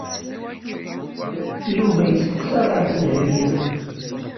Yuba yesteqsa ɣef Dahbiya.